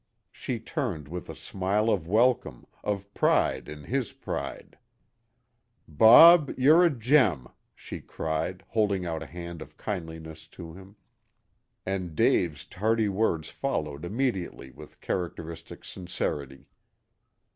She turned with a smile of welcome, of pride in his pride. "Bob, you're a gem!" she cried, holding out a hand of kindliness to him. And Dave's tardy words followed immediately with characteristic sincerity.